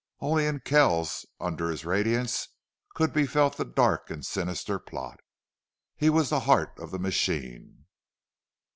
Only in Kells, under his radiance, could be felt the dark and sinister plot. He was the heart of the machine.